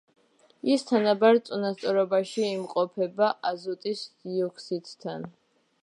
ის თანაბარ წონასწორობაში იმყოფება აზოტის დიოქსიდთან.